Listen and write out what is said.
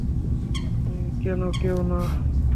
তুমি কেন নেও না?